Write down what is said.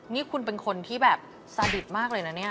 นี่คุณเป็นคนที่แบบสะบิตมากเลยนะเนี่ย